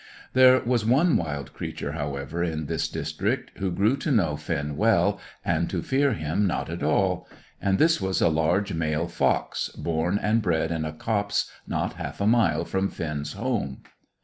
There was one wild creature, however, in this district, who grew to know Finn well, and to fear him not at all; and this was a large male fox, born and bred in a copse not half a mile from Finn's home.